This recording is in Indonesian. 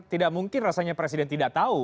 tidak mungkin rasanya presiden tidak tahu